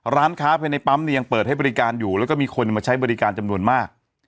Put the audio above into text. ร้านค้าภายในปั๊มเนี่ยยังเปิดให้บริการอยู่แล้วก็มีคนมาใช้บริการจำนวนมาก